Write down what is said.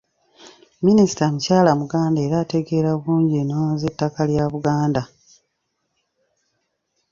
Minisita mukyala Muganda era ategeera bulungi ennono z’ettaka lya Buganda.